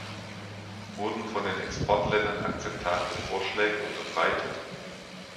Wurden von den Exportländern akzeptable Vorschläge unterbreitet?